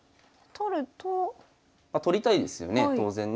取りたいですよね当然ね。